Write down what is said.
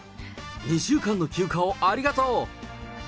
２週間の休暇をありがとう！